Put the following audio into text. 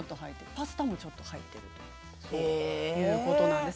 パスタもちょっと入っているということなんです。